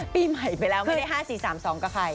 ปีใหม่ไปแล้วไม่ได้๕๔๓๒กับใคร